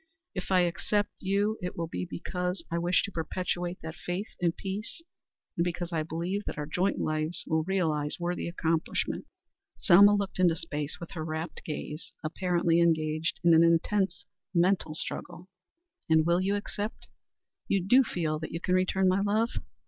If I accept you it will be because I wish to perpetuate that faith and peace, and because I believe that our joint lives will realize worthy accomplishment." Selma looked into space with her wrapt gaze, apparently engaged in an intense mental struggle. "And you will accept? You do feel that you can return my love?